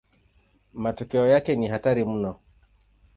Matokeo yake ni hatari mno.